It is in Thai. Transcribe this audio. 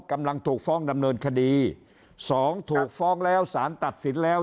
กำลังถูกฟ้องดำเนินคดีสองถูกฟ้องแล้วสารตัดสินแล้ว